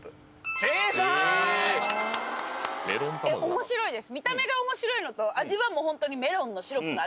面白いです。